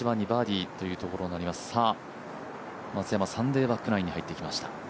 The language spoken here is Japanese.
さあ、松山、サンデーバックナインに入ってきました。